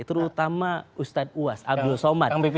terutama ustadz uwas abdul somad